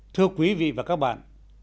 thưa quý vị và các bạn